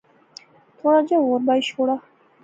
تھوڑا جیہا ہور بائی شوڑا